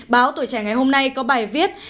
báo tuổi trẻ ngày hôm nay có bài viết